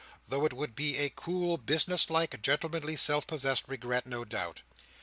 Though it would be a cool, business like, gentlemanly, self possessed regret, no doubt.